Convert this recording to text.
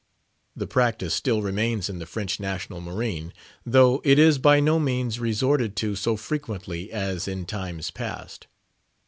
The practice still remains in the French national marine, though it is by no means resorted to so frequently as in times past.